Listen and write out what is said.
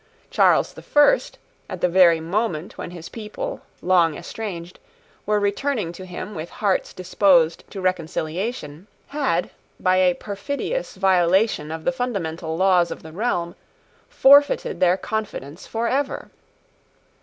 Charles the First, at the very moment when his people, long estranged, were returning to him with hearts disposed to reconciliation, had, by a perfidious violation of the fundamental laws of the realm, forfeited their confidence for ever.